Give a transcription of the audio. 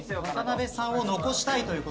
渡辺さんを残したいと？